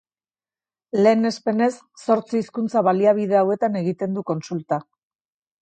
Lehenespenez, zortzi hizkuntza-baliabide hauetan egiten du kontsulta.